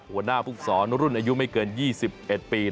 หัวหน้าภูกษรรุ่นอายุไม่เกิน๒๑ปี